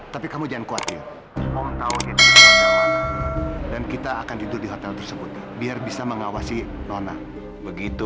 tapi kamu jangan khawatir dan kita akan tidur di hotel tersebut biar bisa mengawasi nona begitu